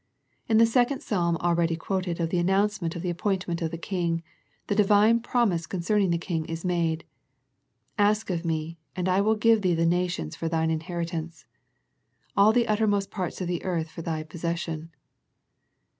In the second Psalm already quoted of the announcement of the appointment of the King, the Divine prom ise concerning the King is made, " Ask of Me, and I will give Thee the na tions for Thine inheritance, " And the uttermost parts of the earth for Thy possession."